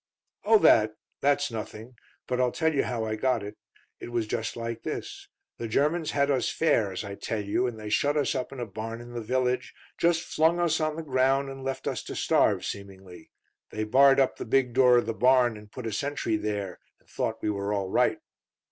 "Oh, that; that's nothing. But I'll tell you how I got it. It was just like this. The Germans had us fair, as I tell you, and they shut us up in a barn in the village; just flung us on the ground and left us to starve seemingly. They barred up the big door of the barn, and put a sentry there, and thought we were all right.